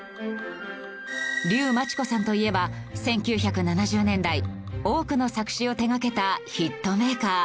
竜真知子さんといえば１９７０年代多くの作詞を手掛けたヒットメーカー。